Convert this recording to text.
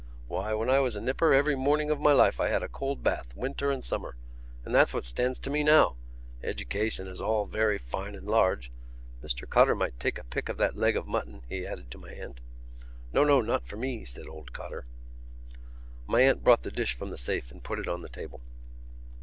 Why, when I was a nipper every morning of my life I had a cold bath, winter and summer. And that's what stands to me now. Education is all very fine and large.... Mr Cotter might take a pick of that leg mutton," he added to my aunt. "No, no, not for me," said old Cotter. My aunt brought the dish from the safe and put it on the table.